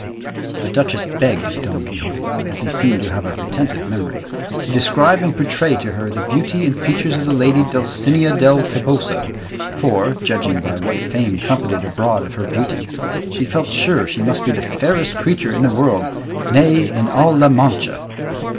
The duchess begged Don Quixote, as he seemed to have a retentive memory, to describe and portray to her the beauty and features of the lady Dulcinea del Toboso, for, judging by what fame trumpeted abroad of her beauty, she felt sure she must be the fairest creature in the world, nay, in all La Mancha.